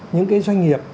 những cái doanh nghiệp